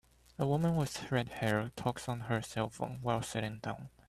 A woman with redhair talks on her cellphone while sitting down.